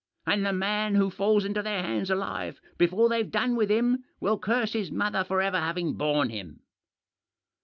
And the man who falls into their hands alive before they've done with him will curse his mother for ever having borne him."